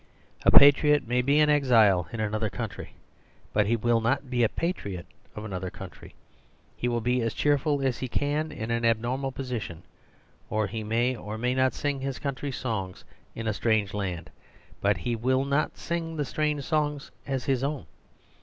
A patriot may be an exile in another country ; but he will not be a patriot of another country. He will be as cheerful as he can in an abnormal position; he may or may not sing his country's songs in a strange land ; but he will not sing the strange songs as his own.